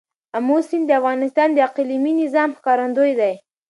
آمو سیند د افغانستان د اقلیمي نظام ښکارندوی دی.